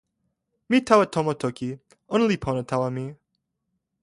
mi tawa tomo toki. ona li pona tawa mi.